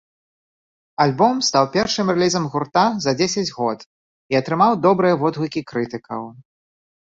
Альбом стаў першым рэлізам гурта за дзесяць год і атрымаў добрыя водгукі крытыкаў.